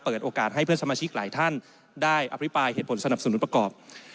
เปิดโอกาสให้เพื่อนสมาชิกหลายท่านได้อภิปรายเหตุผลสนับสนุนประกอบ